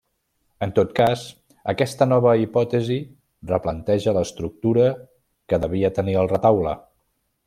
En tot cas aquesta nova hipòtesi replanteja l’estructura que devia tenir el retaule.